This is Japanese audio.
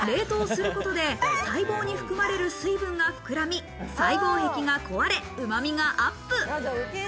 冷凍することで、細胞に含まれる水分が膨らみ、細胞壁が壊れ、うまみがアップ。